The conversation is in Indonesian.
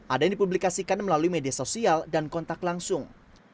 ada yang dipublikasikan melalui media sosial dan kontak langsung